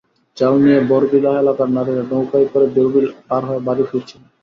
চাল নিয়ে বড়বিলা এলাকার নারীরা নৌকায় করে বড়বিল পার হয়ে বাড়ি ফিরছিলেন।